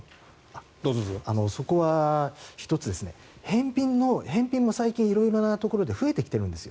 そこは１つ返品も最近色々なところで増えてきてるんです。